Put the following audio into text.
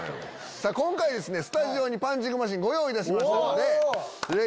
今回スタジオにパンチングマシーンご用意しましたので。